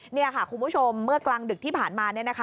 นี่ค่ะคุณผู้ชมเมื่อกลางดึกที่ผ่านมาเนี่ยนะคะ